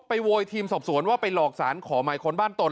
โวยทีมสอบสวนว่าไปหลอกสารขอหมายค้นบ้านตน